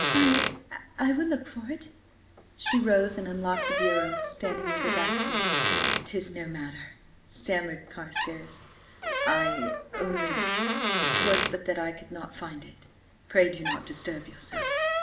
"I–I will look for it." She rose and unlocked the bureau, standing with her back to him. "'Tis no matter," stammered Carstares. "I–only–'twas but that I could not find it. Pray do not disturb yourself!"